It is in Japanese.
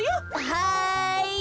はい！